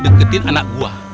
deketin anak gua